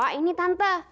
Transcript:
oh ini tante